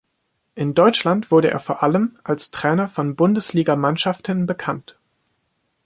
In Deutschland wurde er vor allem als Trainer von Bundesligamannschaften bekannt.